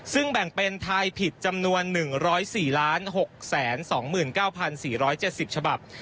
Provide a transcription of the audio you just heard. ซึ่งแบ่งเป็นไทยผิดจำนวน๑๐๔๖๒๙๔๗๐ฉบับ